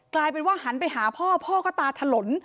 กลายเป็นว่าหันไปหาพ่อพ่อก็ตาถลน